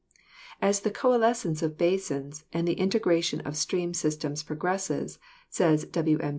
"As the coalescence of basins and the integration of stream systems progress," says W. M.